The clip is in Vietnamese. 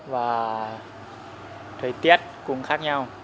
và thời tiết cũng khác nhau